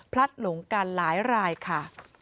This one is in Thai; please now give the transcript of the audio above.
หลงกันหลายรายค่ะ